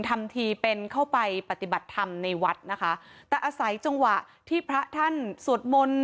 ทำทีเป็นเข้าไปปฏิบัติธรรมในวัดนะคะแต่อาศัยจังหวะที่พระท่านสวดมนต์